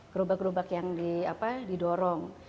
gerobak gerobak yang didorong